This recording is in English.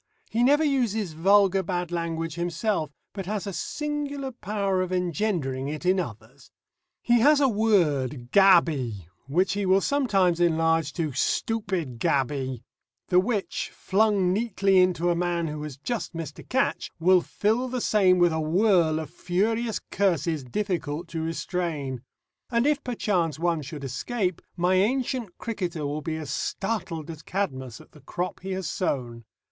He never uses vulgar bad language himself, but has a singular power of engendering it in others. He has a word "gaby," which he will sometimes enlarge to "stuppid gaby," the which, flung neatly into a man who has just missed a catch, will fill the same with a whirl of furious curses difficult to restrain. And if perchance one should escape, my ancient cricketer will be as startled as Cadmus at the crop he has sown.